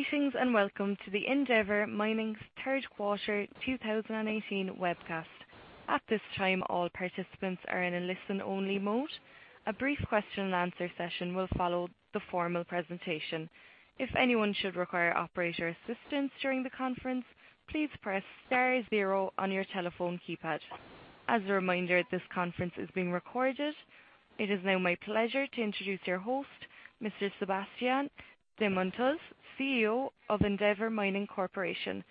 Greetings, welcome to the Endeavour Mining third quarter 2018 webcast. At this time, all participants are in a listen-only mode. A brief question and answer session will follow the formal presentation. If anyone should require operator assistance during the conference, please press star zero on your telephone keypad. As a reminder, this conference is being recorded. It is now my pleasure to introduce your host, Mr. Sébastien de Montessus, CEO of Endeavour Mining Corporation.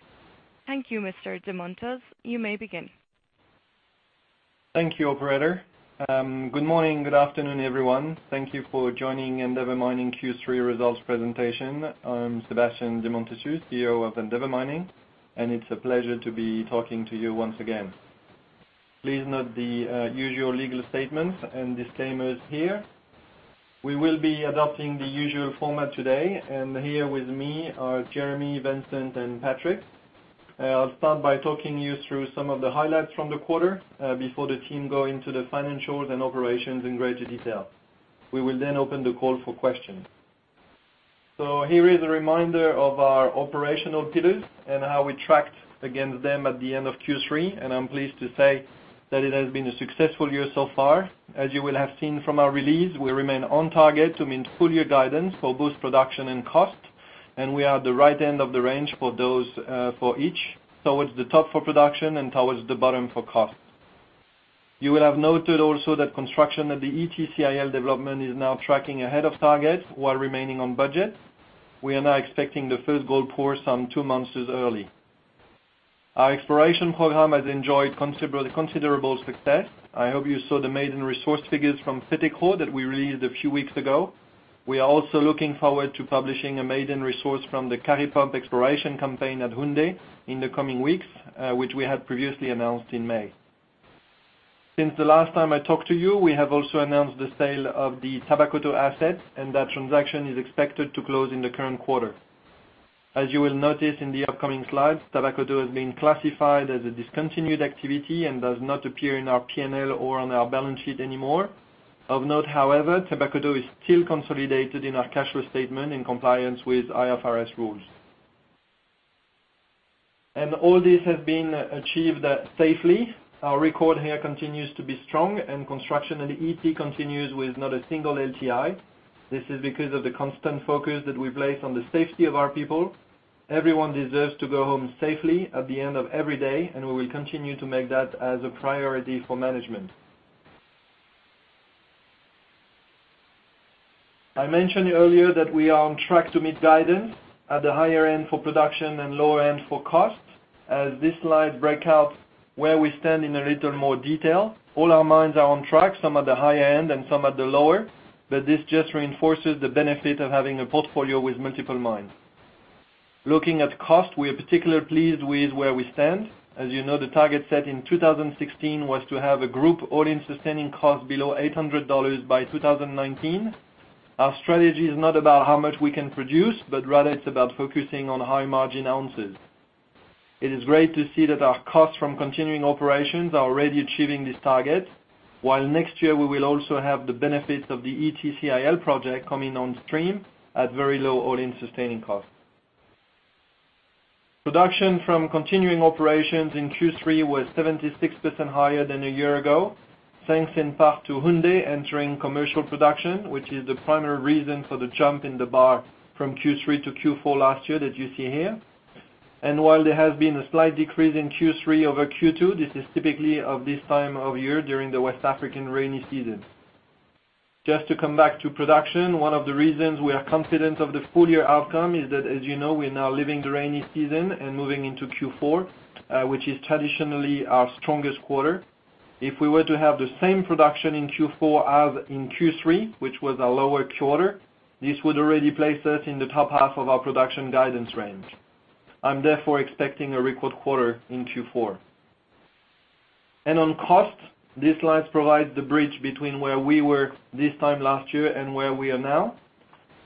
Thank you, Mr. de Montessus. You may begin. Thank you, operator. Good morning, good afternoon, everyone. Thank you for joining Endeavour Mining Q3 results presentation. I'm Sébastien de Montessus, CEO of Endeavour Mining, it's a pleasure to be talking to you once again. Please note the usual legal statements and disclaimers here. We will be adopting the usual format today, here with me are Jeremy, Vincent, and Patrick. I'll start by talking you through some of the highlights from the quarter, before the team go into the financials and operations in greater detail. We will open the call for questions. Here is a reminder of our operational pillars and how we tracked against them at the end of Q3, I'm pleased to say that it has been a successful year so far. As you will have seen from our release, we remain on target to meet full-year guidance for both production and cost, we are at the right end of the range for each, towards the top for production and towards the bottom for cost. You will have noted also that construction at the Ity CIL development is now tracking ahead of target while remaining on budget. We are now expecting the first gold pour some 2 months early. Our exploration program has enjoyed considerable success. I hope you saw the maiden resource figures from Fetekro that we released a few weeks ago. We are also looking forward to publishing a maiden resource from the Kari Pump exploration campaign at Houndé in the coming weeks, which we had previously announced in May. Since the last time I talked to you, we have also announced the sale of the Tabakoto asset, that transaction is expected to close in the current quarter. As you will notice in the upcoming slides, Tabakoto has been classified as a discontinued activity and does not appear in our P&L or on our balance sheet anymore. Of note, however, Tabakoto is still consolidated in our cash flow statement in compliance with IFRS rules. All this has been achieved safely. Our record here continues to be strong, construction at Ity continues with not a single LTI. This is because of the constant focus that we place on the safety of our people. Everyone deserves to go home safely at the end of every day, we will continue to make that as a priority for management. I mentioned earlier that we are on track to meet guidance at the higher end for production and lower end for cost. As this slide breaks out where we stand in a little more detail. All our mines are on track, some at the higher end and some at the lower, but this just reinforces the benefit of having a portfolio with multiple mines. Looking at cost, we are particularly pleased with where we stand. As you know, the target set in 2016 was to have a group all-in sustaining cost below $800 by 2019. Our strategy is not about how much we can produce, but rather it's about focusing on high-margin ounces. It is great to see that our costs from continuing operations are already achieving this target. While next year we will also have the benefits of the Ity CIL project coming on stream at very low all-in sustaining costs. Production from continuing operations in Q3 was 76% higher than a year ago, thanks in part to Houndé entering commercial production, which is the primary reason for the jump in the bar from Q3 to Q4 last year that you see here. While there has been a slight decrease in Q3 over Q2, this is typically of this time of year during the West African rainy season. Just to come back to production, one of the reasons we are confident of the full-year outcome is that, as you know, we are now leaving the rainy season and moving into Q4, which is traditionally our strongest quarter. If we were to have the same production in Q4 as in Q3, which was our lower quarter, this would already place us in the top half of our production guidance range. I'm therefore expecting a record quarter in Q4. On cost, this slide provides the bridge between where we were this time last year and where we are now.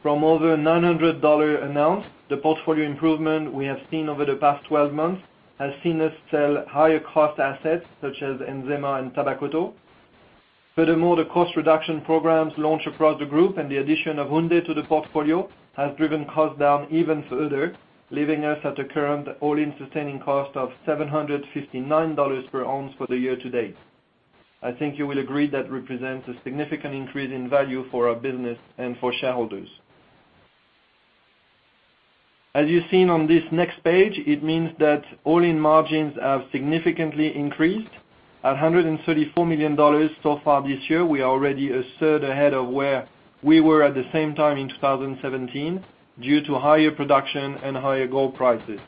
From over $900 an ounce, the portfolio improvement we have seen over the past 12 months has seen us sell higher-cost assets such as Nzema and Tabakoto. Furthermore, the cost reduction programs launched across the group and the addition of Houndé to the portfolio has driven costs down even further, leaving us at a current all-in sustaining cost of $759 per ounce for the year to date. I think you will agree that represents a significant increase in value for our business and for shareholders. As you've seen on this next page, it means that all-in margins have significantly increased. At $134 million so far this year, we are already a third ahead of where we were at the same time in 2017 due to higher production and higher gold prices.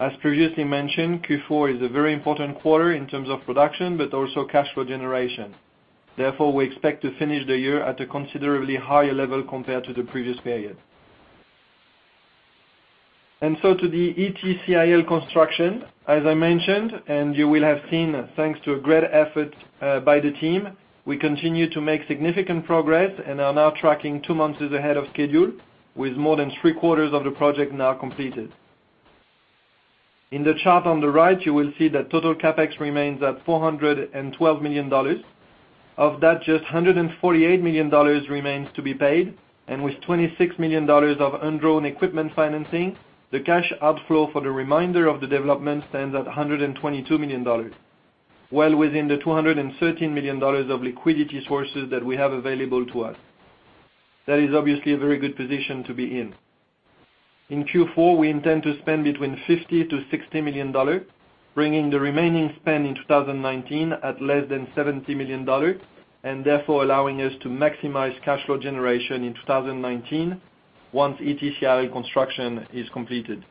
As previously mentioned, Q4 is a very important quarter in terms of production, but also cash flow generation. Therefore, we expect to finish the year at a considerably higher level compared to the previous period. So to the Ity CIL construction, as I mentioned, and you will have seen, thanks to a great effort by the team, we continue to make significant progress and are now tracking two months ahead of schedule with more than three-quarters of the project now completed. In the chart on the right, you will see that total CapEx remains at $412 million. Of that, just $148 million remains to be paid. With $26 million of undrawn equipment financing, the cash outflow for the remainder of the development stands at $122 million, well within the $213 million of liquidity sources that we have available to us. That is obviously a very good position to be in. In Q4, we intend to spend between $50 million-$60 million, bringing the remaining spend in 2019 at less than $70 million, therefore allowing us to maximize cash flow generation in 2019 once Ity CIL construction is completed.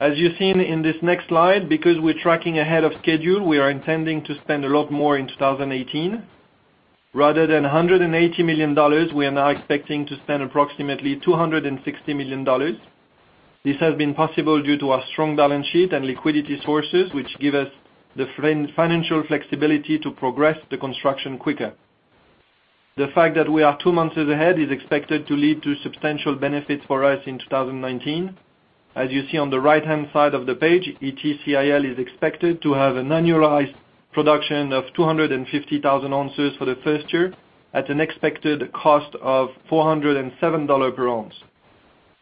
As you see in this next slide, because we're tracking ahead of schedule, we are intending to spend a lot more in 2018. Rather than $180 million, we are now expecting to spend approximately $260 million. This has been possible due to our strong balance sheet and liquidity sources, which give us the financial flexibility to progress the construction quicker. The fact that we are two months ahead is expected to lead to substantial benefits for us in 2019. As you see on the right-hand side of the page, Ity CIL is expected to have an annualized production of 250,000 ounces for the first year, at an expected cost of $407 per ounce.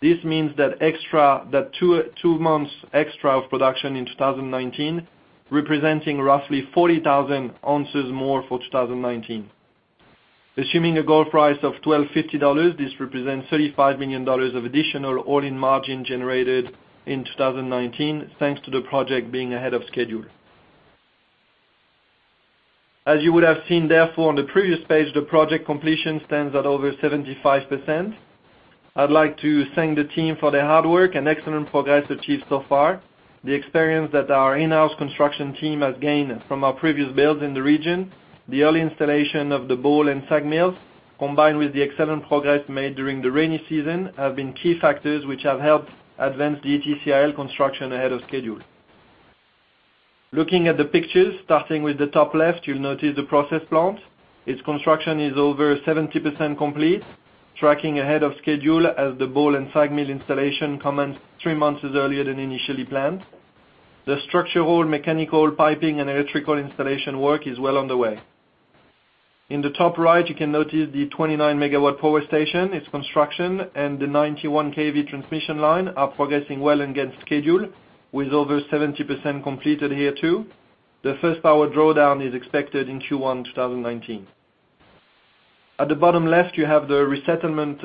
This means that two months extra of production in 2019, representing roughly 40,000 ounces more for 2019. Assuming a gold price of $1,250, this represents $35 million of additional all-in margin generated in 2019, thanks to the project being ahead of schedule. As you would have seen therefore on the previous page, the project completion stands at over 75%. I'd like to thank the team for their hard work and excellent progress achieved so far. The experience that our in-house construction team has gained from our previous builds in the region, the early installation of the ball and SAG mills, combined with the excellent progress made during the rainy season, have been key factors which have helped advance the Ity CIL construction ahead of schedule. Looking at the pictures, starting with the top left, you'll notice the process plant. Its construction is over 70% complete, tracking ahead of schedule as the ball and SAG mill installation commenced three months earlier than initially planned. The structural, mechanical, piping, and electrical installation work is well underway. In the top right, you can notice the 29 MW power station, its construction, and the 91 kV transmission line are progressing well against schedule, with over 70% completed here, too. The first power drawdown is expected in Q1 2019. At the bottom left, you have the resettlement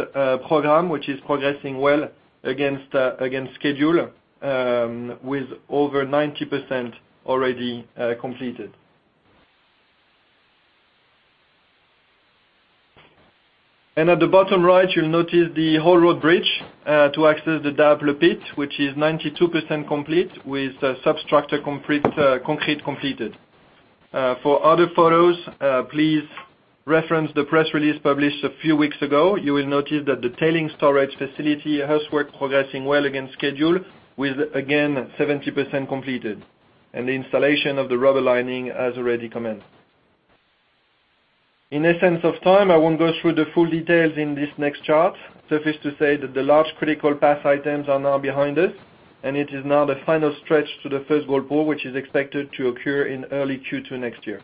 program, which is progressing well against schedule, with over 90% already completed. At the bottom right, you'll notice the haul road bridge to access the Daapleu Pit, which is 92% complete, with substructure concrete completed. For other photos, please reference the press release published a few weeks ago. You will notice that the tailing storage facility has work progressing well against schedule with, again, 70% completed, and the installation of the rubber lining has already commenced. In essence of time, I won't go through the full details in this next chart. Suffice to say that the large critical path items are now behind us, and it is now the final stretch to the first gold pour, which is expected to occur in early Q2 next year.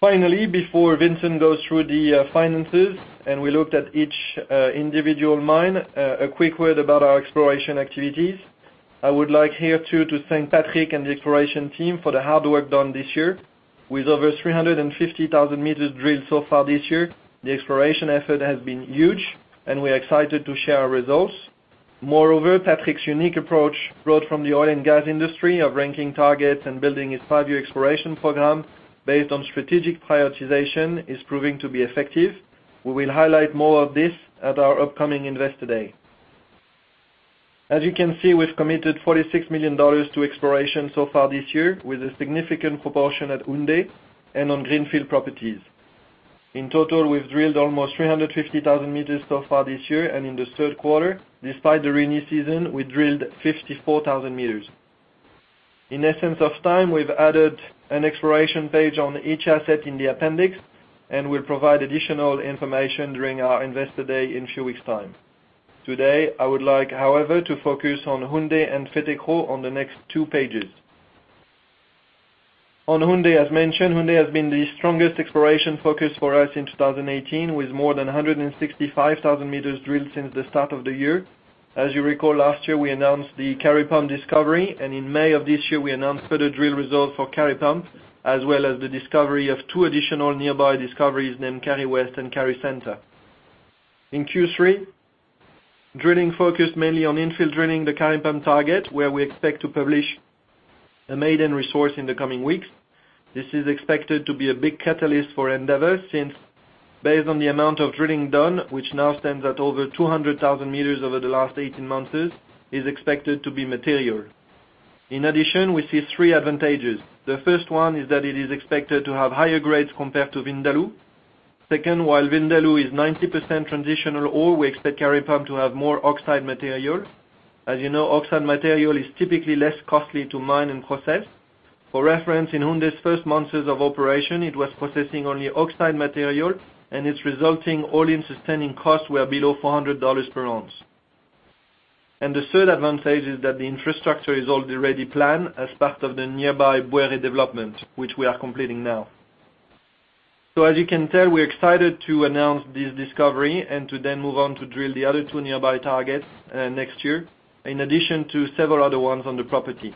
Finally, before Vincent goes through the finances and we looked at each individual mine, a quick word about our exploration activities. I would like here, too, to thank Patrick and the exploration team for the hard work done this year. With over 350,000 meters drilled so far this year, the exploration effort has been huge, and we're excited to share our results. Moreover, Patrick's unique approach brought from the oil and gas industry of ranking targets and building his five-year exploration program based on strategic prioritization is proving to be effective. We will highlight more of this at our upcoming Investor Day. As you can see, we've committed $46 million to exploration so far this year, with a significant proportion at Houndé and on greenfield properties. In total, we've drilled almost 350,000 meters so far this year, and in the third quarter, despite the rainy season, we drilled 54,000 meters. In essence of time, we've added an exploration page on each asset in the appendix and will provide additional information during our Investor Day in a few weeks' time. Today, I would like, however, to focus on Houndé and Fetekro on the next two pages. On Houndé, as mentioned, Houndé has been the strongest exploration focus for us in 2018, with more than 165,000 meters drilled since the start of the year. As you recall, last year, we announced the Kari Pump discovery and in May of this year, we announced further drill results for Kari Pump, as well as the discovery of two additional nearby discoveries named Kari West and Kari Center. In Q3, drilling focused mainly on infill drilling the Kari Pump target, where we expect to publish a maiden resource in the coming weeks. This is expected to be a big catalyst for Endeavour since based on the amount of drilling done, which now stands at over 200,000 meters over the last 18 months, is expected to be material. In addition, we see three advantages. The first one is that it is expected to have higher grades compared to Vindaloo. Second, while Vindaloo is 90% transitional ore, we expect Kari Pump to have more oxide material. As you know, oxide material is typically less costly to mine and process. For reference, in Houndé's first months of operation, it was processing only oxide material, and its resulting all-in sustaining costs were below $400 per ounce. The third advantage is that the infrastructure is already planned as part of the nearby Bouéré development, which we are completing now. As you can tell, we're excited to announce this discovery and to then move on to drill the other two nearby targets next year, in addition to several other ones on the property.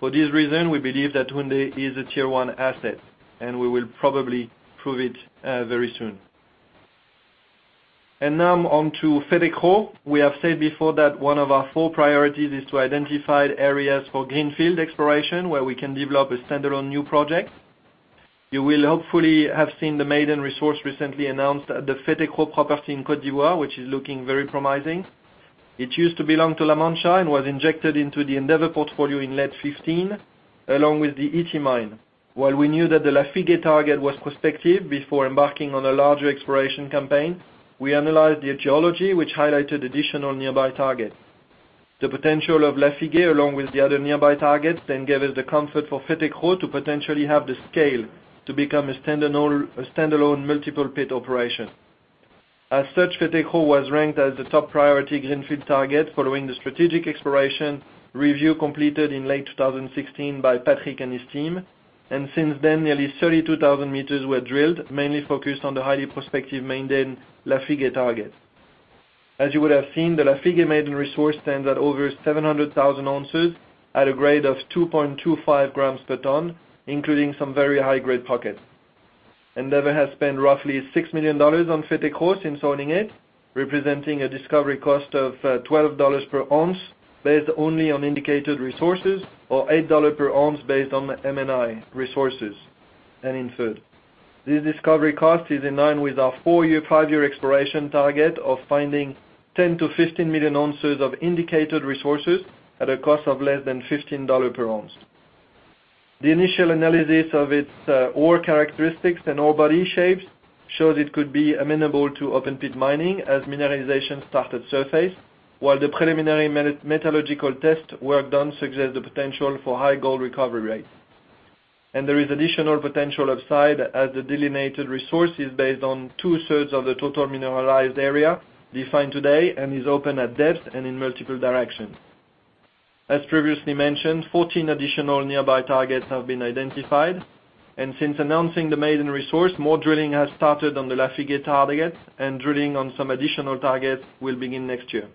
For this reason, we believe that Houndé is a Tier 1 asset, and we will probably prove it very soon. Now on to Fetekro. We have said before that one of our four priorities is to identify areas for greenfield exploration where we can develop a standalone new project. You will hopefully have seen the maiden resource recently announced at the Fetekro property in Côte d'Ivoire, which is looking very promising. It used to belong to La Mancha and was injected into the Endeavour portfolio in late 2015, along with the Ity mine. While we knew that the Lafigué target was prospective before embarking on a larger exploration campaign, we analyzed the geology, which highlighted additional nearby targets. The potential of Lafigué, along with the other nearby targets, then gave us the comfort for Fetekro to potentially have the scale to become a standalone multiple pit operation. As such, Fetekro was ranked as the top priority greenfield target following the strategic exploration review completed in late 2016 by Patrick and his team. Since then, nearly 32,000 meters were drilled, mainly focused on the highly prospective maiden Lafigué target. As you would have seen, the Lafigué maiden resource stands at over 700,000 ounces at a grade of 2.25 grams per ton, including some very high-grade pockets. Endeavour has spent roughly $6 million on Fetekro since owning it, representing a discovery cost of $12 per ounce based only on indicated resources, or $8 per ounce based on M&I resources and inferred. This discovery cost is in line with our four-year, five-year exploration target of finding 10 to 15 million ounces of indicated resources at a cost of less than $15 per ounce. The initial analysis of its ore characteristics and ore body shapes shows it could be amenable to open-pit mining as mineralization starts at surface, while the preliminary metallurgical test work done suggests the potential for high gold recovery rates. There is additional potential upside as the delineated resource is based on two-thirds of the total mineralized area defined today and is open at depth and in multiple directions. As previously mentioned, 14 additional nearby targets have been identified, since announcing the maiden resource, more drilling has started on the Lafigué target and drilling on some additional targets will begin next year.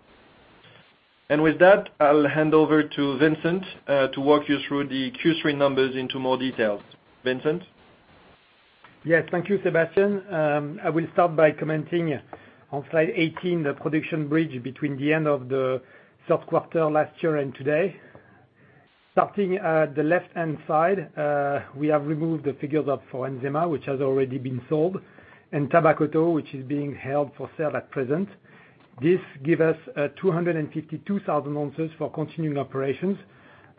With that, I'll hand over to Vincent to walk you through the Q3 numbers into more details. Vincent? Yes. Thank you, Sébastien. I will start by commenting on slide 18, the production bridge between the end of the third quarter last year and today. Starting at the left-hand side, we have removed the figures for Nzema, which has already been sold, and Tabakoto, which is being held for sale at present. This gives us 252,000 ounces for continuing operations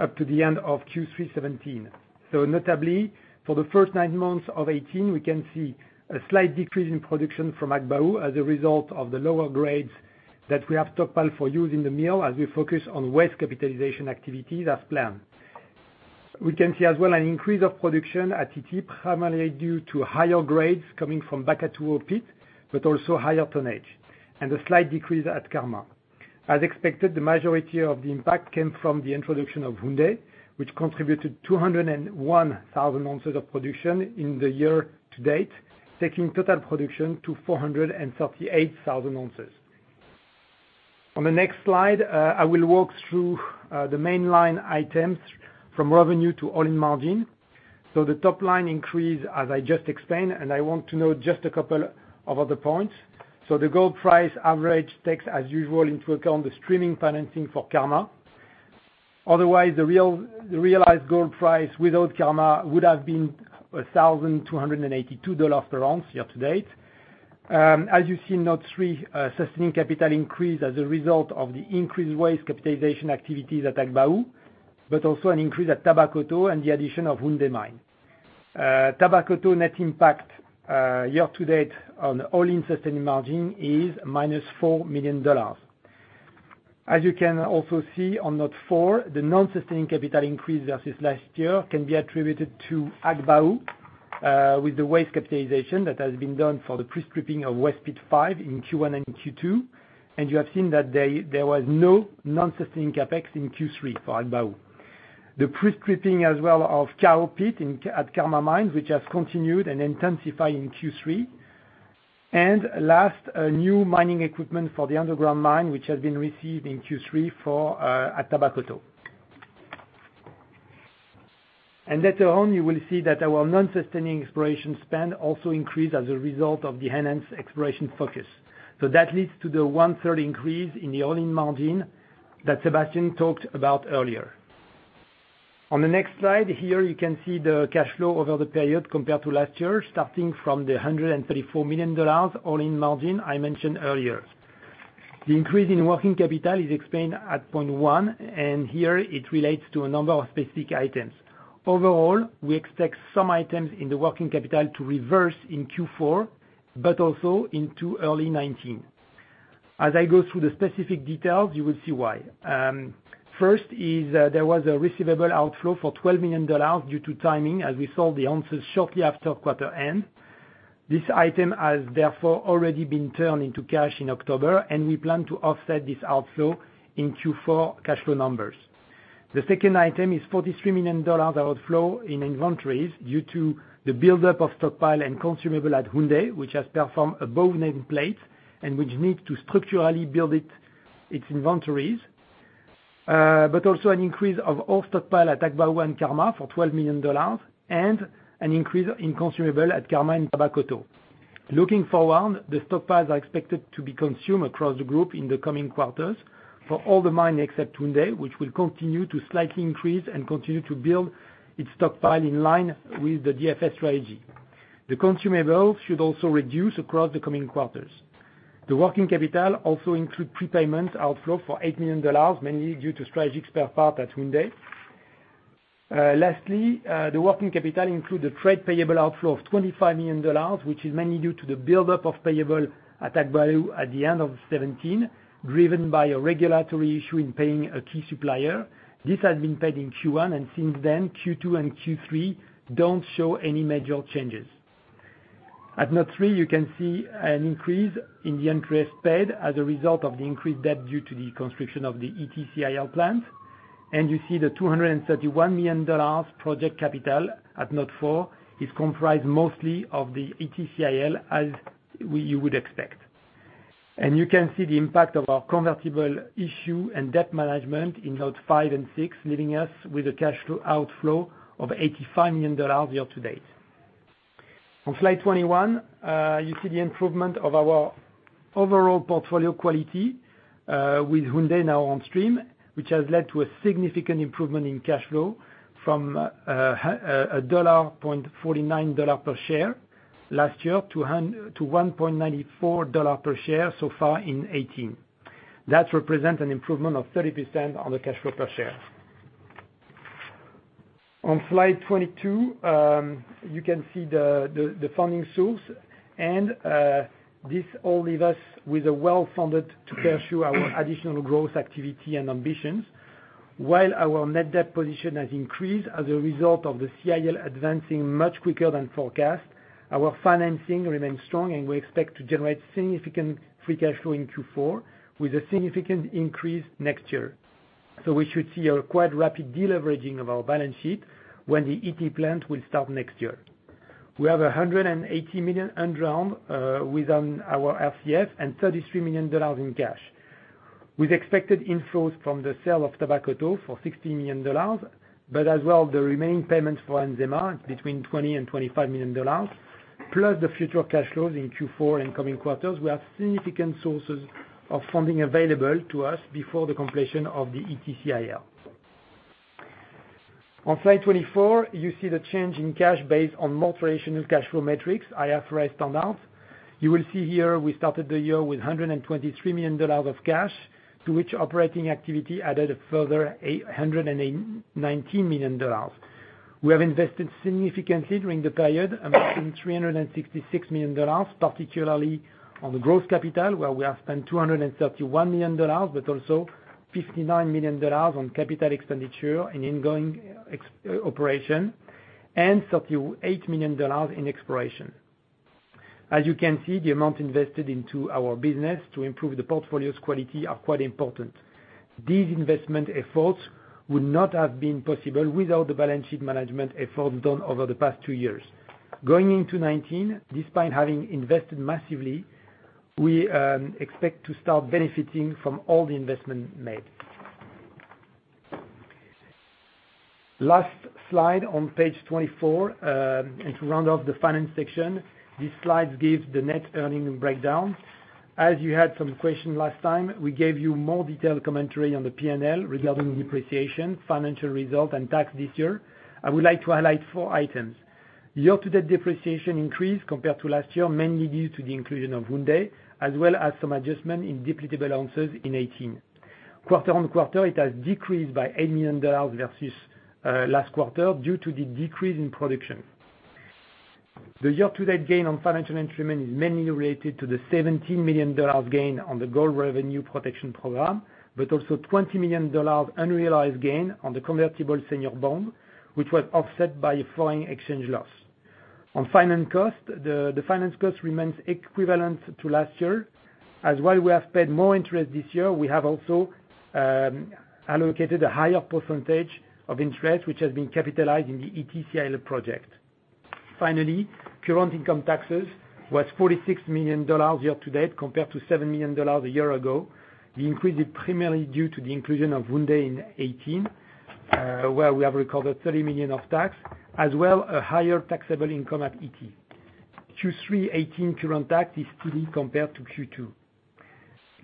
up to the end of Q3 2017. Notably, for the first nine months of 2018, we can see a slight decrease in production from Agbaou as a result of the lower grades that we have stockpiled for use in the mill as we focus on waste capitalization activities as planned. We can see as well an increase of production at Ity, primarily due to higher grades coming from Bakatou pit, but also higher tonnage, and a slight decrease at Karma. As expected, the majority of the impact came from the introduction of Houndé, which contributed 201,000 ounces of production in the year to date, taking total production to 438,000 ounces. On the next slide, I will walk through the mainline items from revenue to all-in margin. The top line increased, as I just explained, and I want to note just a couple of other points. The gold price average takes, as usual, into account the streaming financing for Karma. Otherwise, the realized gold price without Karma would have been $1,282 per ounce year to date. As you see, note three, sustaining capital increase as a result of the increased waste capitalization activities at Agbaou, but also an increase at Tabakoto and the addition of Houndé mine. Tabakoto net impact year to date on all-in sustaining margin is -$4 million. As you can also see on note four, the non-sustaining capital increase versus last year can be attributed to Agbaou with the waste capitalization that has been done for the pre-stripping of West Pit Five in Q1 and Q2. You have seen that there was no non-sustaining CapEx in Q3 for Agbaou. The pre-stripping as well of Kao pit at Karma mine, which has continued and intensified in Q3. Last, new mining equipment for the underground mine, which has been received in Q3 at Tabakoto. Later on, you will see that our non-sustaining exploration spend also increased as a result of the enhanced exploration focus. That leads to the one-third increase in the all-in margin that Sébastien talked about earlier. On the next slide, here you can see the cash flow over the period compared to last year, starting from the $134 million all-in margin I mentioned earlier. The increase in working capital is explained at point one, and here it relates to a number of specific items. Overall, we expect some items in the working capital to reverse in Q4, but also into early 2019. As I go through the specific details, you will see why. First, there was a receivable outflow for $12 million due to timing as we sold the ounces shortly after quarter end. This item has therefore already been turned into cash in October, and we plan to offset this outflow in Q4 cash flow numbers. The second item is $43 million outflow in inventories due to the buildup of stockpile and consumable at Houndé, which has performed above nameplate, and which need to structurally build its inventories, but also an increase of all stockpile at Agbaou and Karma for $12 million, and an increase in consumable at Karma and Tabakoto. Looking forward, the stockpiles are expected to be consumed across the group in the coming quarters for all the mines except Houndé, which will continue to slightly increase and continue to build its stockpile in line with the DFS strategy. The consumables should also reduce across the coming quarters. The working capital also includes prepayment outflow for $8 million, mainly due to strategic spare parts at Houndé. Lastly, the working capital includes a trade payable outflow of $25 million, which is mainly due to the buildup of payable at Agbaou at the end of 2017, driven by a regulatory issue in paying a key supplier. This has been paid in Q1, and since then, Q2 and Q3 don't show any major changes. At note three, you can see an increase in the interest paid as a result of the increased debt due to the construction of the Ity CIL plant. You see the $231 million project capital at note four is comprised mostly of the Ity CIL, as you would expect. You can see the impact of our convertible issue and debt management in notes five and six, leaving us with a cash outflow of $85 million year to date. On slide 21, you see the improvement of our overall portfolio quality, with Houndé now on stream, which has led to a significant improvement in cash flow from $1.49 per share last year to $1.94 per share so far in 2018. That represents an improvement of 30% on the cash flow per share. On slide 22, you can see the funding source, this all leaves us with a well-funded to pursue our additional growth activity and ambitions. While our net debt position has increased as a result of the Ity CIL advancing much quicker than forecast, our financing remains strong and we expect to generate significant free cash flow in Q4, with a significant increase next year. We should see a quite rapid deleveraging of our balance sheet when the Ity plant will start next year. We have $180 million undrawn within our RCF and $33 million in cash. With expected inflows from the sale of Tabakoto for $60 million, as well the remaining payments for Nzema between $20 million and $25 million, plus the future cash flows in Q4 and coming quarters, we have significant sources of funding available to us before the completion of the Ity CIL. On slide 24, you see the change in cash based on more traditional cash flow metrics, IFRS standouts. You will see here we started the year with $123 million of cash, to which operating activity added a further $119 million. We have invested significantly during the period, investing $366 million, particularly on the growth capital, where we have spent $231 million, also $59 million on capital expenditure and ongoing operation, $38 million in exploration. As you can see, the amount invested into our business to improve the portfolio's quality are quite important. These investment efforts would not have been possible without the balance sheet management efforts done over the past two years. Going into 2019, despite having invested massively, we expect to start benefiting from all the investment made. Last slide on page 24, to round off the finance section, this slide gives the net earning breakdown. As you had some questions last time, we gave you more detailed commentary on the P&L regarding depreciation, financial result and tax this year. I would like to highlight four items. Year-to-date depreciation increased compared to last year, mainly due to the inclusion of Houndé, as well as some adjustment in depletable ounces in 2018. Quarter-on-quarter, it has decreased by $8 million versus last quarter due to the decrease in production. The year-to-date gain on financial instrument is mainly related to the $17 million gain on the Gold Revenue Protection Program. Also, $20 million unrealized gain on the convertible senior bond, which was offset by a foreign exchange loss. On finance costs, the finance cost remains equivalent to last year. While we have paid more interest this year, we have also allocated a higher percentage of interest, which has been capitalized in the Ity CIL project. Finally, current income taxes was $46 million year-to-date compared to $7 million a year ago. The increase is primarily due to the inclusion of Houndé in 2018, where we have recovered $30 million of tax, as well a higher taxable income at Ity. Q3 2018 current tax is down compared to Q2.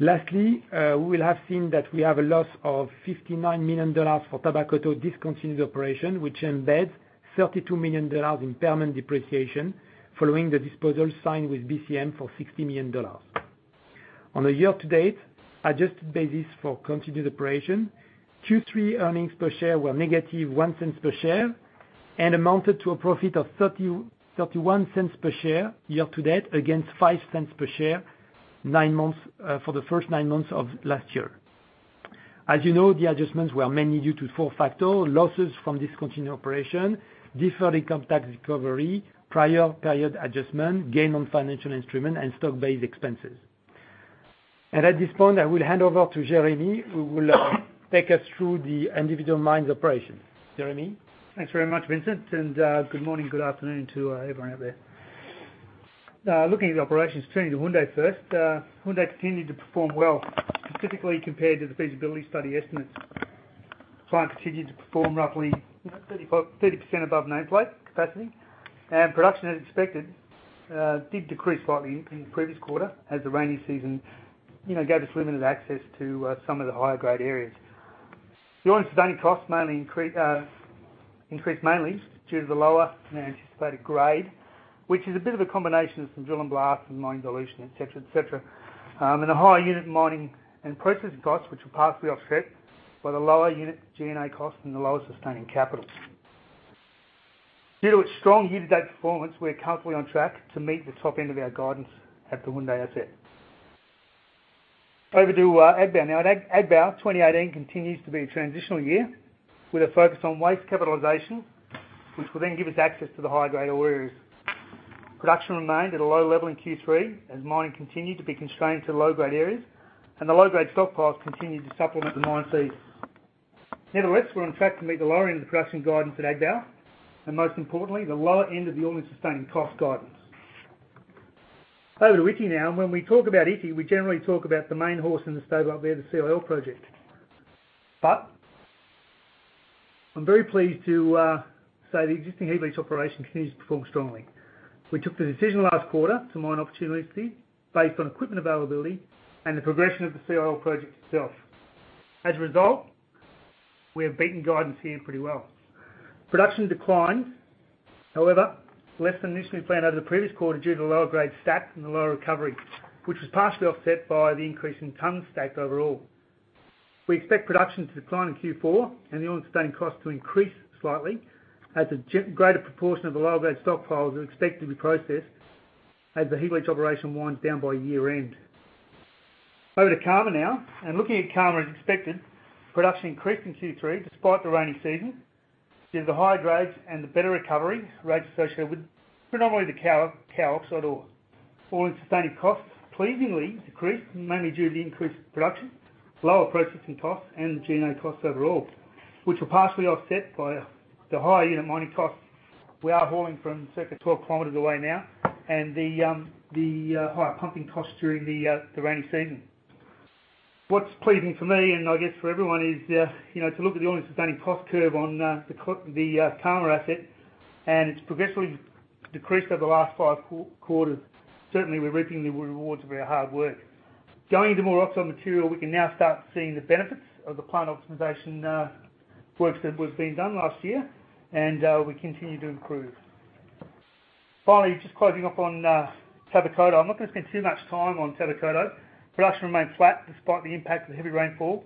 Lastly, we will have seen that we have a loss of $59 million for Tabakoto discontinued operation, which embeds $32 million impairment depreciation following the disposal signed with BCM for $60 million. On a year-to-date adjusted basis for continued operation, Q3 earnings per share were -$0.01 per share, and amounted to a profit of $0.31 per share year-to-date against $0.05 per share for the first nine months of last year. As you know, the adjustments were mainly due to four factors: losses from discontinued operation, deferred income tax recovery, prior period adjustment, gain on financial instrument, and stock-based expenses. At this point, I will hand over to Jeremy, who will take us through the individual mines operations. Jeremy? Thanks very much, Vincent. Good morning, good afternoon to everyone out there. Looking at the operations, turning to Houndé first. Houndé continued to perform well, specifically compared to the feasibility study estimates. The plant continued to perform roughly 30% above nameplate capacity. Production, as expected, did decrease slightly in the previous quarter as the rainy season gave us limited access to some of the higher-grade areas. The all-in sustaining costs increased mainly due to the lower than anticipated grade, which is a bit of a combination of some drill and blast and mining dilution, et cetera, et cetera. The higher unit mining and processing costs, which were partially offset by the lower unit G&A costs and the lower sustaining capital. Due to its strong year-to-date performance, we are comfortably on track to meet the top end of our guidance at the Houndé asset. Over to Agba. Now at Agba, 2018 continues to be a transitional year, with a focus on waste capitalization, which will then give us access to the higher-grade ore areas. Production remained at a low level in Q3, as mining continued to be constrained to low-grade areas, the low-grade stockpiles continued to supplement the mine feed. Nevertheless, we are on track to meet the lower end of production guidance at Agba, most importantly, the lower end of the all-in sustaining cost guidance. Over to Ity now. When we talk about Ity, we generally talk about the main horse in the stable up there, the CIL project. I'm very pleased to say the existing heap leach operation continues to perform strongly. We took the decision last quarter to mine opportunity based on equipment availability and the progression of the CIL project itself. As a result, we have beaten guidance here pretty well. Production declined, however, less than initially planned over the previous quarter due to the lower grade stacked and the lower recovery, which was partially offset by the increase in tonnes stacked overall. We expect production to decline in Q4 and the all-in sustaining cost to increase slightly as a greater proportion of the lower-grade stockpiles are expected to be processed as the heap leach operation winds down by year-end. Over to Karma now. Looking at Karma as expected, production increased in Q3 despite the rainy season, due to the higher grades and the better recovery rates associated with predominantly the Kao oxide ore. All-in sustaining costs pleasingly decreased, mainly due to the increased production, lower processing costs and G&A costs overall, which were partially offset by the higher unit mining cost. We are hauling from circa 12 km away now, the higher pumping costs during the rainy season. What's pleasing for me and I guess for everyone is, to look at the all-in sustaining cost curve on the Karma asset, it's progressively decreased over the last five quarters. Certainly, we're reaping the rewards of our hard work. Going into more oxide material, we can now start seeing the benefits of the plant optimization works that was being done last year, we continue to improve. Finally, just closing off on Tabakoto. I'm not going to spend too much time on Tabakoto. Production remained flat despite the impact of the heavy rainfall,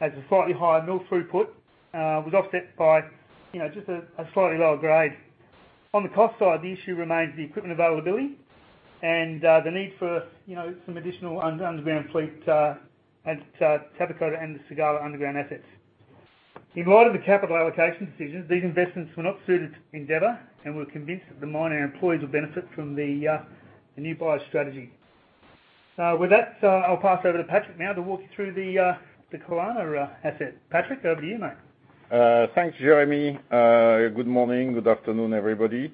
as a slightly higher mill throughput was offset by just a slightly lower grade. On the cost side, the issue remains the equipment availability and the need for some additional underground fleet at Tabakoto and the Segala underground assets. In light of the capital allocation decisions, these investments were not suited to Endeavour, we're convinced that the mine and employees will benefit from the new buyer strategy. With that, I'll pass over to Patrick now to walk you through the Kalana asset. Patrick, over to you, mate. Thanks, Jeremy. Good morning, good afternoon, everybody.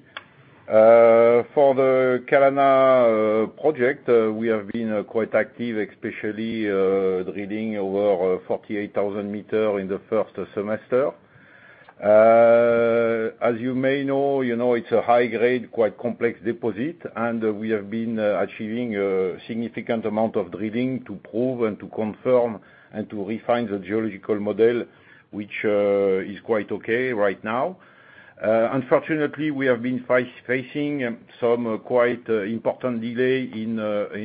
For the Kalana project, we have been quite active, especially drilling over 48,000 meters in the first semester. As you may know, it's a high grade, quite complex deposit, we have been achieving a significant amount of drilling to prove and to confirm and to refine the geological model, which is quite okay right now. Unfortunately, we have been facing some quite important delay in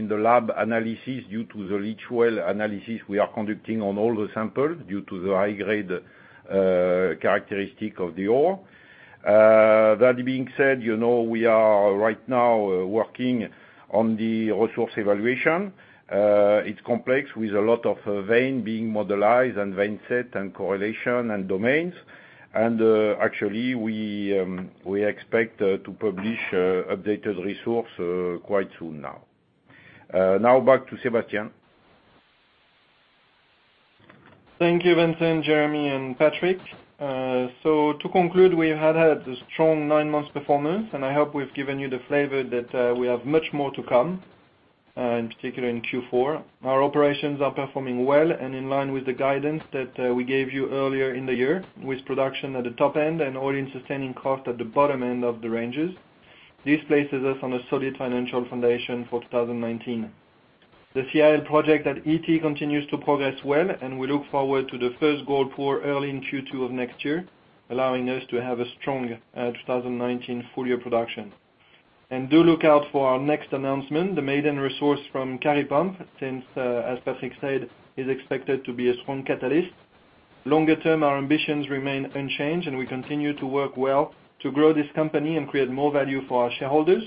the lab analysis due to the LeachWELL analysis we are conducting on all the samples due to the high-grade characteristic of the ore. That being said, we are right now working on the resource evaluation. It's complex with a lot of vein being modelized and vein set and correlation and domains. Actually, we expect to publish updated resource quite soon now. Back to Sébastien. Thank you, Vincent, Jeremy, and Patrick. To conclude, we have had a strong nine months performance, and I hope we've given you the flavor that we have much more to come, in particular in Q4. Our operations are performing well and in line with the guidance that we gave you earlier in the year, with production at the top end and all-in sustaining cost at the bottom end of the ranges. This places us on a solid financial foundation for 2019. The Ity CIL project continues to progress well, and we look forward to the first gold pour early in Q2 of next year, allowing us to have a strong 2019 full year production. Do look out for our next announcement, the maiden resource from Kari Pump, since, as Patrick said, is expected to be a strong catalyst. Longer term, our ambitions remain unchanged, and we continue to work well to grow this company and create more value for our shareholders.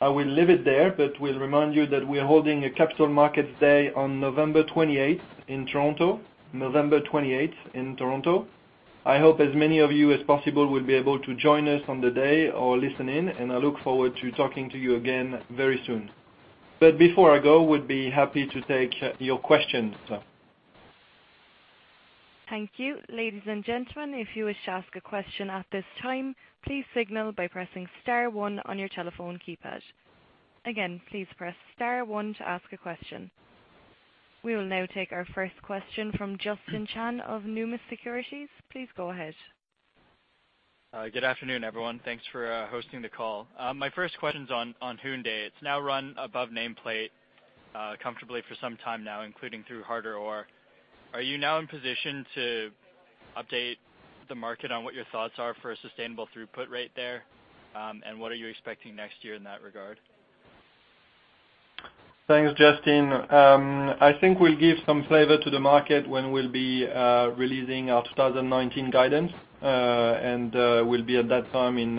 I will leave it there, will remind you that we are holding a Capital Markets Day on November 28th in Toronto. I hope as many of you as possible will be able to join us on the day or listen in, and I look forward to talking to you again very soon. Before I go, would be happy to take your questions. Thank you. Ladies and gentlemen, if you wish to ask a question at this time, please signal by pressing star one on your telephone keypad. Again, please press star one to ask a question. We will now take our first question from Justin Chan of Numis Securities. Please go ahead. Good afternoon, everyone. Thanks for hosting the call. My first question's on Houndé. It's now run above nameplate comfortably for some time now, including through harder ore. Are you now in position to update the market on what your thoughts are for a sustainable throughput rate there? What are you expecting next year in that regard? Thanks, Justin. I think we'll give some flavor to the market when we'll be releasing our 2019 guidance. We'll be at that time in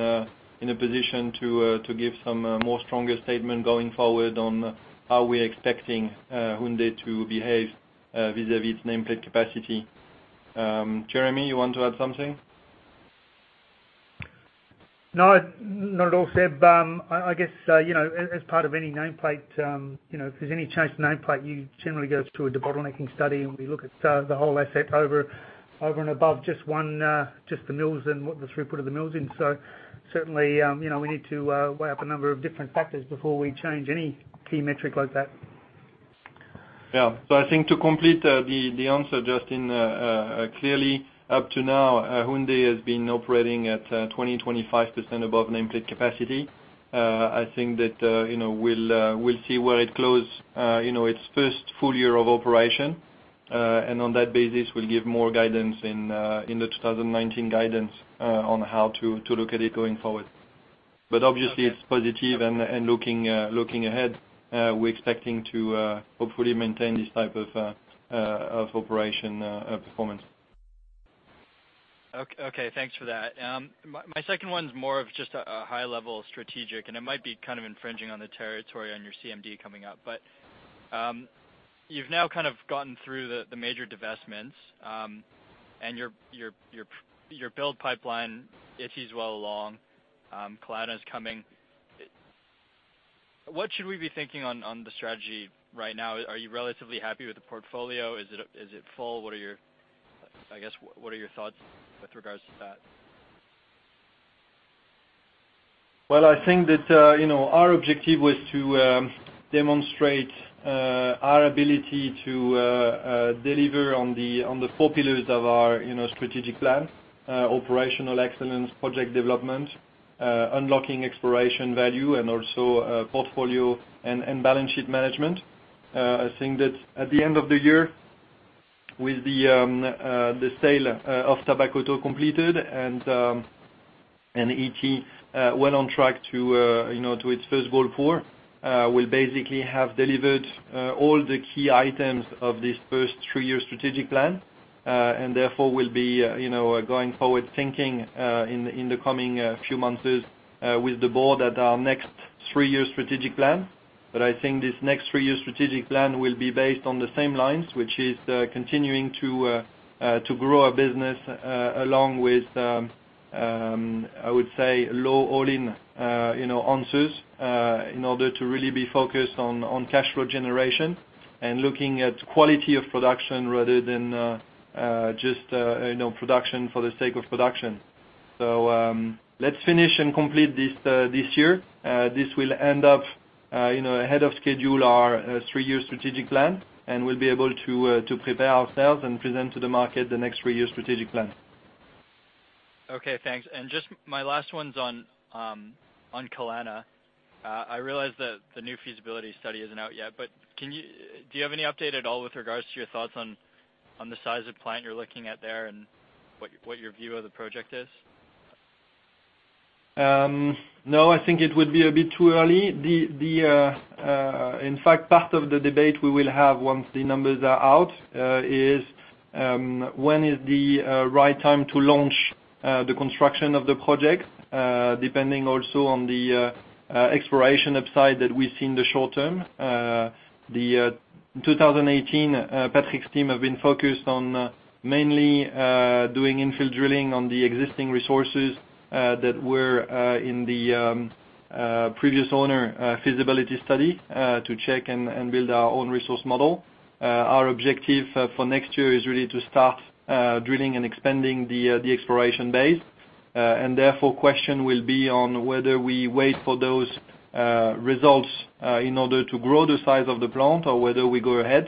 a position to give some more stronger statement going forward on how we're expecting Houndé to behave vis-a-vis its nameplate capacity. Jeremy, you want to add something? No, not at all, Seb. I guess, as part of any nameplate, if there's any change to nameplate, you generally go through a bottlenecking study and we look at the whole asset over and above just the mills and what the throughput of the mills in. Certainly, we need to weigh up a number of different factors before we change any key metric like that. Yeah. I think to complete the answer, Justin, clearly up to now, Houndé has been operating at 20, 25% above nameplate capacity. I think that we'll see where it closed its first full year of operation. On that basis will give more guidance in the 2019 guidance on how to look at it going forward. Obviously it's positive and looking ahead, we're expecting to hopefully maintain this type of operation performance. Okay. Thanks for that. My second one's more of just a high level strategic, it might be kind of infringing on the territory on your CMD coming up. You've now gotten through the major divestments, and your build pipeline, it is well along. Kalana is coming. What should we be thinking on the strategy right now? Are you relatively happy with the portfolio? Is it full? I guess, what are your thoughts with regards to that? Well, I think that our objective was to demonstrate our ability to deliver on the four pillars of our strategic plan. Operational excellence, project development, unlocking exploration value, and also portfolio and balance sheet management. I think that at the end of the year, with the sale of Tabakoto completed and Ity well on track to its first gold pour will basically have delivered all the key items of this first three-year strategic plan. Therefore will be going forward thinking in the coming few months with the board at our next three-year strategic plan. I think this next three-year strategic plan will be based on the same lines, which is continuing to grow our business along with, I would say low all-in sustaining costs in order to really be focused on cash flow generation and looking at quality of production rather than just production for the sake of production. Let's finish and complete this year. This will end up ahead of schedule, our three-year strategic plan. We'll be able to prepare ourselves and present to the market the next three-year strategic plan. Okay, thanks. Just my last one's on Kalana. I realize that the new feasibility study isn't out yet, do you have any update at all with regards to your thoughts on the size of plant you're looking at there and what your view of the project is? No, I think it would be a bit too early. In fact, part of the debate we will have once the numbers are out, is when is the right time to launch the construction of the project, depending also on the exploration upside that we see in the short term. The 2018, Patrick's team have been focused on mainly doing infill drilling on the existing resources that were in the previous owner feasibility study, to check and build our own resource model. Our objective for next year is really to start drilling and expanding the exploration base. Therefore question will be on whether we wait for those results in order to grow the size of the plant or whether we go ahead.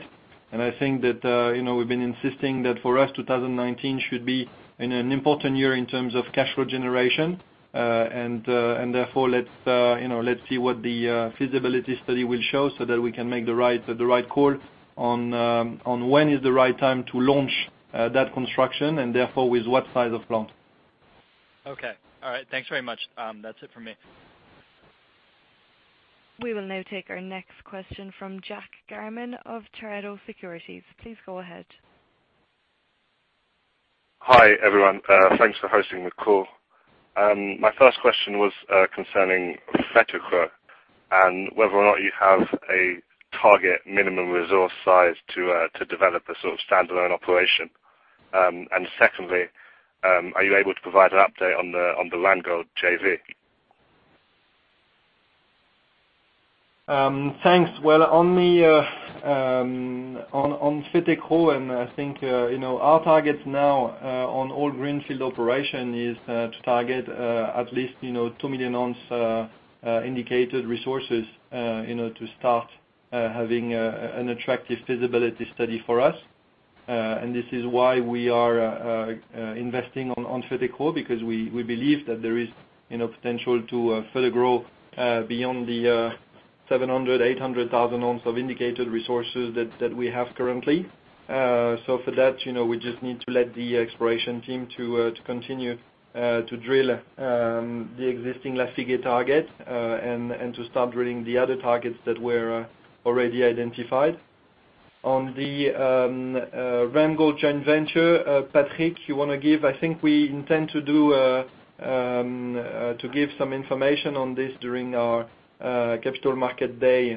I think that we've been insisting that for us, 2019 should be an important year in terms of cash flow generation. Therefore, let's see what the feasibility study will show so that we can make the right call on when is the right time to launch that construction and therefore with what size of plant. Okay. All right. Thanks very much. That's it from me. We will now take our next question from Jack Garman of Pareto Securities. Please go ahead. Hi, everyone. Thanks for hosting the call. My first question was concerning Fetekro and whether or not you have a target minimum resource size to develop a sort of standalone operation. Secondly, are you able to provide an update on the Randgold JV? Thanks. Well, on Fetekro, I think our targets now on all greenfield operation is to target at least 2 million ounce indicated resources to start having an attractive feasibility study for us. This is why we are investing on Fetekro because we believe that there is potential to further grow beyond the 700,000, 800,000 ounce of indicated resources that we have currently. For that, we just need to let the exploration team to continue to drill the existing target, and to start drilling the other targets that were already identified. On the Randgold joint venture, Patrick, you want to give I think we intend to give some information on this during our Capital Markets Day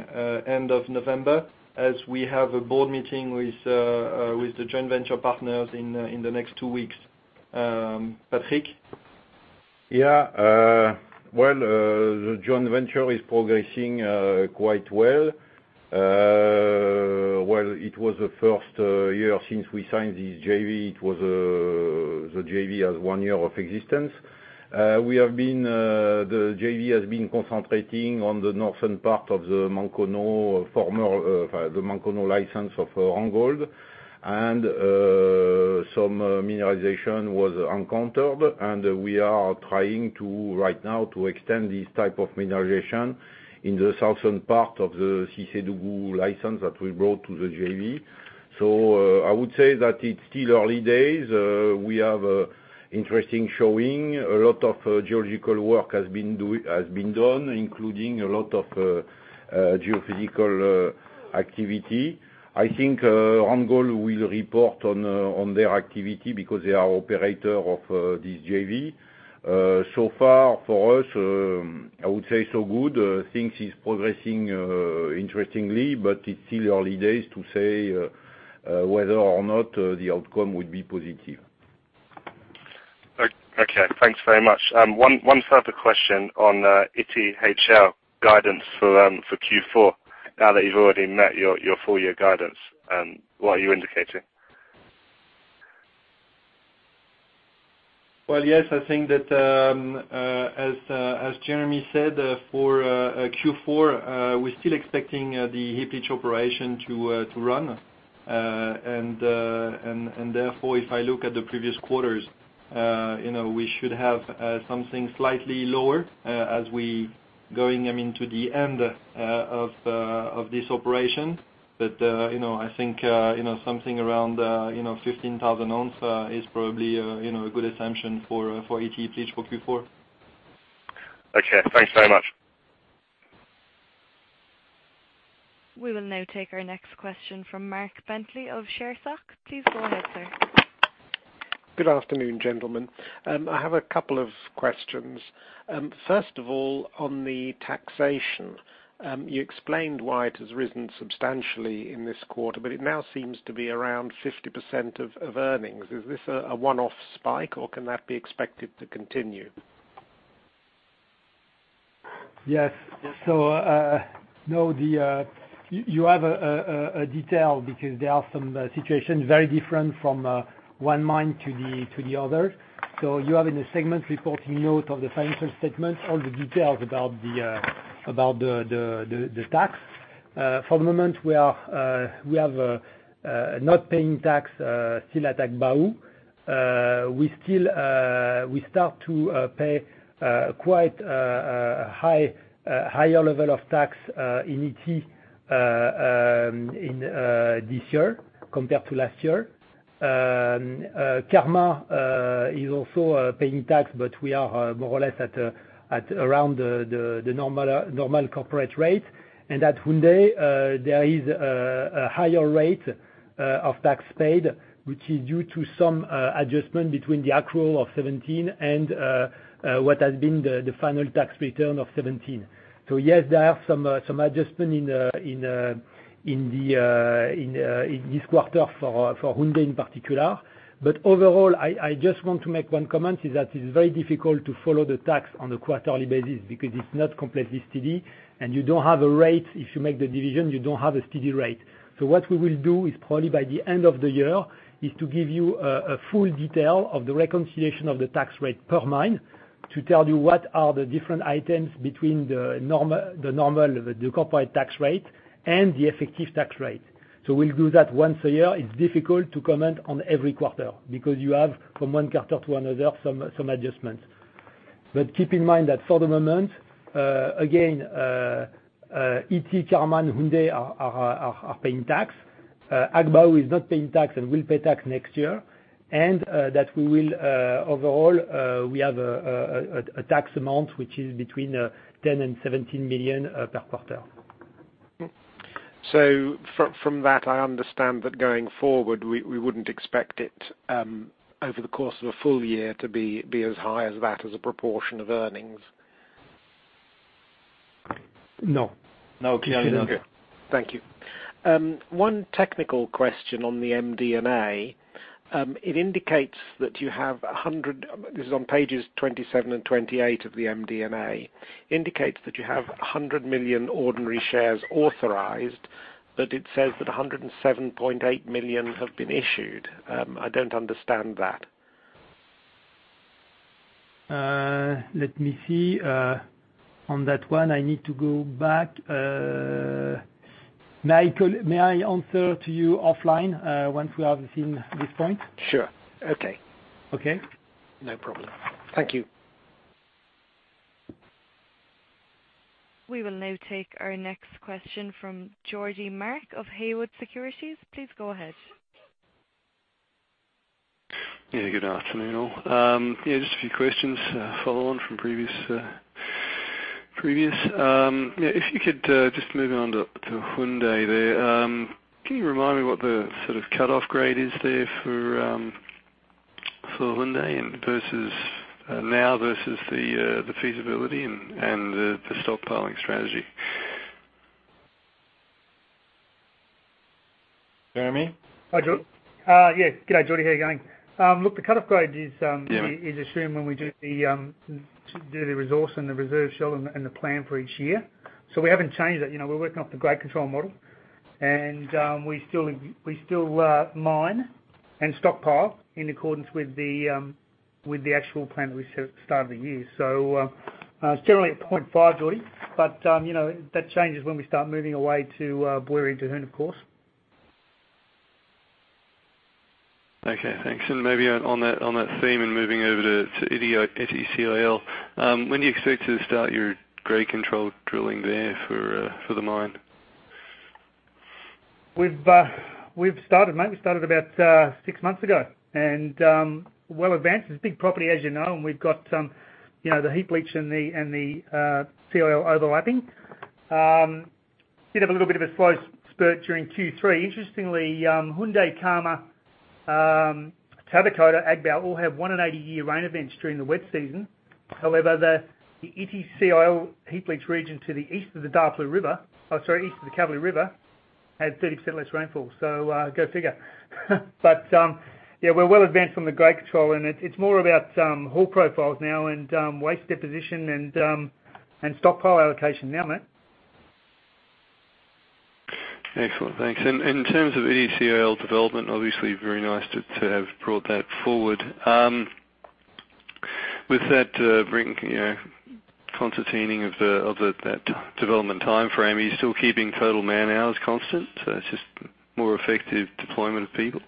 end of November as we have a board meeting with the joint venture partners in the next 2 weeks. Patrick? Yeah. Well, the joint venture is progressing quite well. While it was the first year since we signed this JV, the JV has 1 year of existence. The JV has been concentrating on the northern part of the Mankono license of Randgold. Some mineralization was encountered, and we are trying right now to extend this type of mineralization in the southern part of the Sissedougou license that we brought to the JV. I would say that it's still early days. We have interesting showing. A lot of geological work has been done, including a lot of geophysical activity. I think Randgold will report on their activity because they are operator of this JV. Far for us, I would say so good. Things is progressing interestingly, but it's still early days to say whether or not the outcome will be positive. Okay. Thanks very much. One further question on Ity CIL guidance for Q4. Now that you've already met your full year guidance, what are you indicating? Well, yes, I think that, as Jeremy said, for Q4, we're still expecting the Ity operation to run. Therefore, if I look at the previous quarters, we should have something slightly lower as we going into the end of this operation. I think something around 15,000 ounce is probably a good assumption for Ity pitch for Q4. Okay, thanks very much. We will now take our next question from Mark Bentley of ShareSoc. Please go ahead, sir. Good afternoon, gentlemen. I have a couple of questions. First of all, on the taxation, you explained why it has risen substantially in this quarter, but it now seems to be around 50% of earnings. Is this a one-off spike, or can that be expected to continue? Yes. You have a detail because there are some situations very different from one mine to the other. You have in the segment reporting note of the financial statements, all the details about the tax. For the moment, we are not paying tax still at Agbaou. We start to pay quite a higher level of tax in Ity this year compared to last year. Karma is also paying tax, but we are more or less at around the normal corporate rate. At Houndé, there is a higher rate of tax paid, which is due to some adjustment between the accrual of 2017 and what has been the final tax return of 2017. Yes, there are some adjustment in this quarter for Houndé in particular. Overall, I just want to make one comment, is that it's very difficult to follow the tax on a quarterly basis because it's not completely steady, and if you make the division, you don't have a steady rate. What we will do is probably by the end of the year, is to give you a full detail of the reconciliation of the tax rate per mine to tell you what are the different items between the normal, the corporate tax rate and the effective tax rate. We'll do that once a year. It's difficult to comment on every quarter because you have from one quarter to another, some adjustments. Keep in mind that for the moment, again, Ity, Karma, and Houndé are paying tax Agbaou is not paying tax and will pay tax next year. That overall, we have a tax amount which is between $10 million and $17 million per quarter. From that, I understand that going forward, we wouldn't expect it, over the course of a full year, to be as high as that as a proportion of earnings. No. No, clearly not. Thank you. One technical question on the MD&A. This is on pages 27 and 28 of the MD&A, indicates that you have 100 million ordinary shares authorized, but it says that 107.8 million have been issued. I don't understand that. Let me see. On that one, I need to go back. Mark, may I answer to you offline once we have seen this point? Sure. Okay. Okay. No problem. Thank you. We will now take our next question from Geordie Mark of Haywood Securities. Please go ahead. Good afternoon, all. Just a few questions, follow on from previous. Moving on to Houndé there, can you remind me what the sort of cutoff grade is there for Houndé now versus the feasibility and the stockpiling strategy? Jeremy? Hi, Geordie. Good day, Geordie. How are you going? The cutoff grade is- Yeah is assumed when we do the resource and the reserve shell and the plan for each year. We haven't changed that. We're working off the grade control model. We still mine and stockpile in accordance with the actual plan that we set at the start of the year. It's generally at 0.5, Geordie. That changes when we start moving away to Bouéré and Dohoun, of course. Okay, thanks. Maybe on that theme and moving over to Ity CIL. When do you expect to start your grade control drilling there for the mine? We've started, mate. We started about six months ago and well advanced. It's a big property, as you know, and we've got the heap leach and the CIL overlapping. Did have a little bit of a slow spurt during Q3. Interestingly, Houndé, Karma, Tabakoto, Agbaou all have one in 80-year rain events during the wet season. However, the Ity CIL heap leach region to the east of the Daapleu River, oh, sorry, east of the Cavally River, had 30% less rainfall. Go figure. Yeah, we're well advanced on the grade control and it's more about hole profiles now and waste deposition and stockpile allocation now, mate. Excellent. Thanks. In terms of Ity CIL development, obviously very nice to have brought that forward. With that concertining of that development timeframe, are you still keeping total man-hours constant? It's just more effective deployment of people?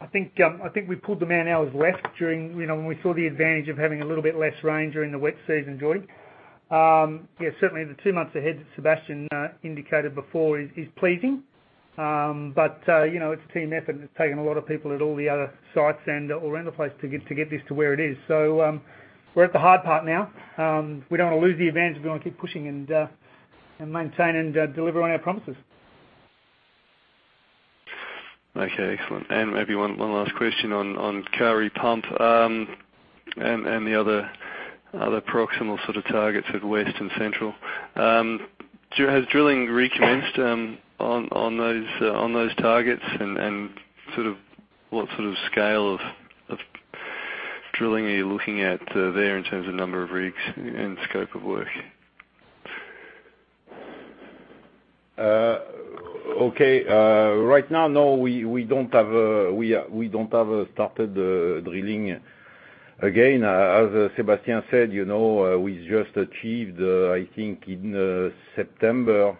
I think we pulled the man-hours less during when we saw the advantage of having a little bit less rain during the wet season, Geordie. Yeah, certainly the two months ahead that Sébastien indicated before is pleasing. It's a team effort and it's taken a lot of people at all the other sites and all around the place to get this to where it is. We're at the hard part now. We don't want to lose the advantage. We want to keep pushing and maintain and deliver on our promises. Okay, excellent. Maybe one last question on Kari Pump, and the other proximal sort of targets at West and Central. Has drilling recommenced on those targets and what sort of scale of drilling are you looking at there in terms of number of rigs and scope of work? Okay. Right now, no, we don't have started drilling again. As Sébastien said, we just achieved, I think in September,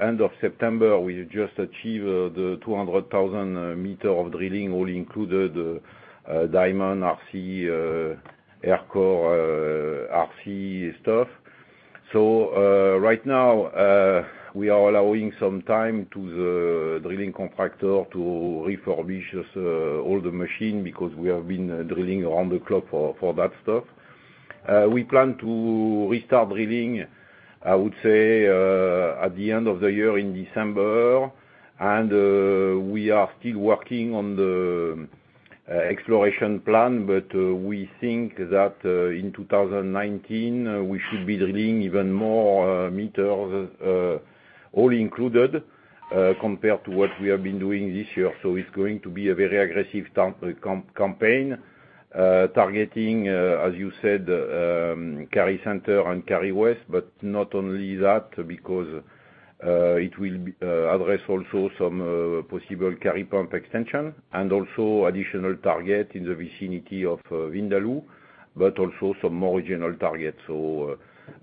end of September, we just achieved the 200,000 meter of drilling, all included, diamond, RC, air core RC stuff. Right now, we are allowing some time to the drilling contractor to refurbish all the machine, because we have been drilling around the clock for that stuff. We plan to restart drilling, I would say, at the end of the year in December. We are still working on the exploration plan, but we think that in 2019, we should be drilling even more meters, all included, compared to what we have been doing this year. It's going to be a very aggressive campaign, targeting, as you said, Kari Center and Kari West. Not only that, because it will address also some possible Kari Pump extension and also additional target in the vicinity of Vindaloo, but also some more general targets.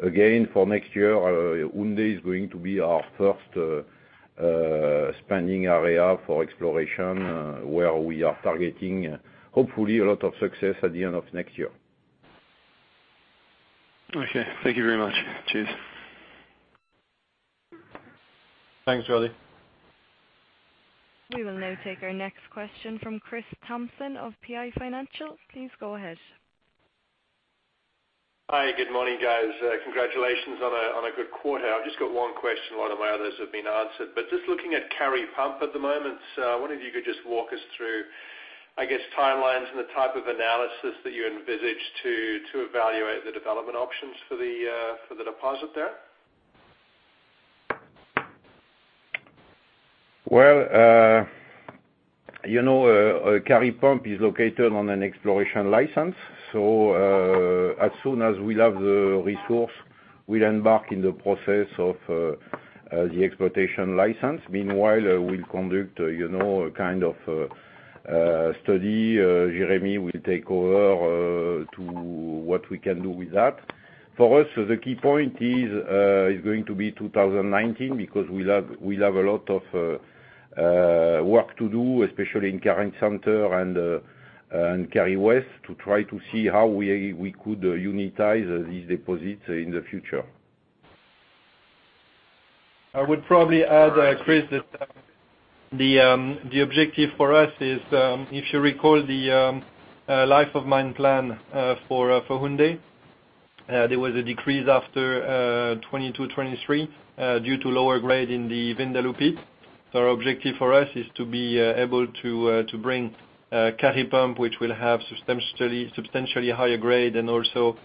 Again, for next year, Houndé is going to be our first spending area for exploration, where we are targeting, hopefully, a lot of success at the end of next year. Okay, thank you very much. Cheers. Thanks, Geordie. We will now take our next question from Chris Thompson of PI Financial. Please go ahead. Hi. Good morning, guys. Congratulations on a good quarter. I've just got one question. A lot of my others have been answered. Just looking at Kari Pump at the moment, I wonder if you could just walk us through, I guess, timelines and the type of analysis that you envisage to evaluate the development options for the deposit there? Kari Pump is located on an exploration license. As soon as we have the resource, we'll embark on the process of the exploitation license. Meanwhile, we'll conduct a kind of study. Jeremy will take over to what we can do with that. For us, the key point is going to be 2019, because we have a lot of work to do, especially in Kari Center and Kari West, to try to see how we could utilize these deposits in the future. I would probably add, Chris, that the objective for us is, if you recall the life of mine plan for Houndé, there was a decrease after 2022, 2023 due to lower grade in the Vindaloo pit. Our objective for us is to be able to bring Kari Pump, which will have substantially higher grade and also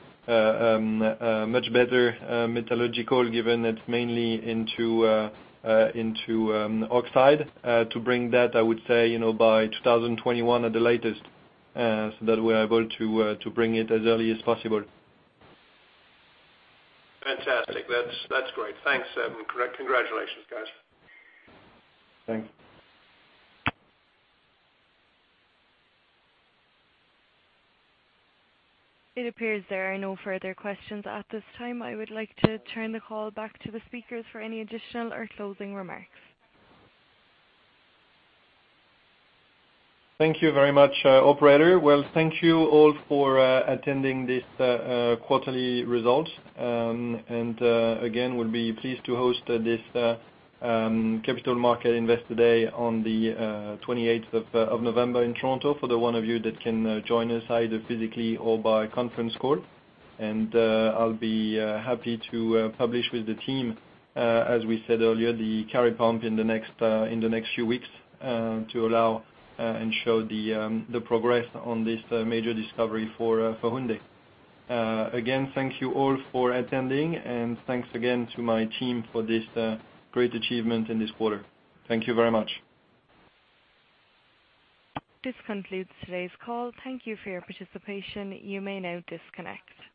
much better metallurgical, given it's mainly into oxide. To bring that, I would say, by 2021 at the latest, that we're able to bring it as early as possible. Fantastic. That's great. Thanks, and congratulations, guys. Thanks. It appears there are no further questions at this time. I would like to turn the call back to the speakers for any additional or closing remarks. Thank you very much, operator. Well, thank you all for attending this quarterly result. Again, we'll be pleased to host this Capital Markets Day on the 28th of November in Toronto for the ones of you that can join us either physically or by conference call. I'll be happy to publish with the team, as we said earlier, the Kari Pump in the next few weeks to allow and show the progress on this major discovery for Houndé. Again, thank you all for attending, and thanks again to my team for this great achievement in this quarter. Thank you very much. This concludes today's call. Thank you for your participation. You may now disconnect.